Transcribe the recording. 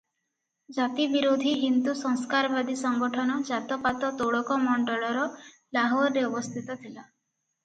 "ଜାତି ବିରୋଧୀ ହିନ୍ଦୁ ସଂସ୍କାରବାଦୀ ସଂଗଠନ "ଜାତ-ପାତ ତୋଡ଼କ ମଣ୍ଡଳ"ର ଲାହୋରରେ ଅବସ୍ଥିତ ଥିଲା ।"